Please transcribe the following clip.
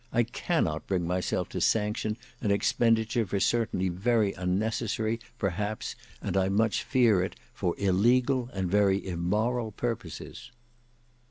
I cannot bring myself to sanction an expenditure for certainly very unnecessary, perhaps, and I much fear it, for illegal and very immoral purposes."